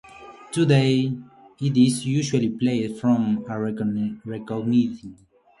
Today, it is usually played from a recording.